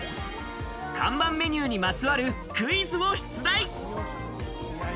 看板メニューにまつわるクイズを出題。